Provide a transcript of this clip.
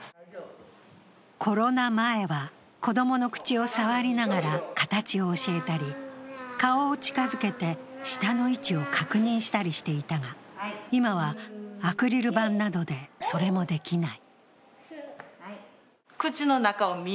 コロナ前は子供の口を触りながら形を教えたり、顔を近づけて舌の位置を確認したりしていたが今はアクリル板などでそれもできない。